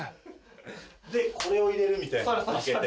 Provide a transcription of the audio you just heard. でこれを入れるみたいな開けて。